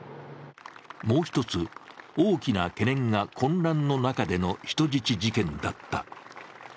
もう一つ大きな懸念が混乱の中での人質事件だった。